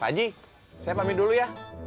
pak haji saya pamit dulu ya